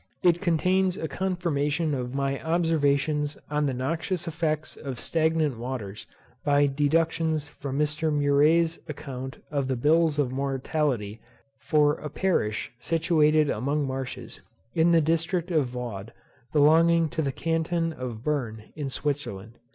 It contains a confirmation of my observations on the noxious effects of stagnant waters by deductions from Mr. Muret's account of the Bills of Mortality for a parish situated among marshes, in the district of Vaud, belonging to the Canton of Bern in Switzerland.